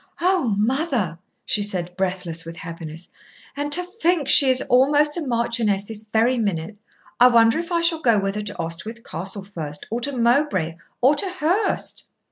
"Oh, mother!" she said, breathless with happiness. "And to think she is almost a marchioness this very minute. I wonder if I shall go with her to Oswyth Castle first, or to Mowbray, or to Hurst?"